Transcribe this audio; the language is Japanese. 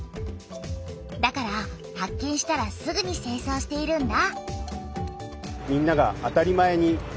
だから発見したらすぐにせいそうしているんだ。